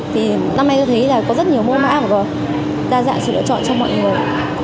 thì năm nay tôi thấy là có rất nhiều mô mã và đa dạng sự lựa chọn cho mọi người